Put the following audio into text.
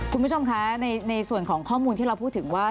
คุณผู้ชมคะในส่วนของข้อมูลที่เราพูดถึงว่า